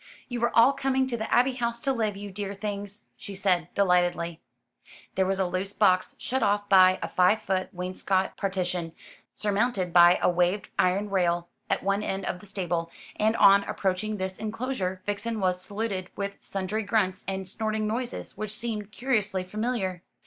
"You are all coming to the Abbey House to live, you dear things," she said delightedly. There was a loose box, shut off by a five foot wainscot partition, surmounted by a waved iron rail, at one end of the stable, and on approaching this enclosure Vixen was saluted with sundry grunts and snorting noises, which seemed curiously familiar.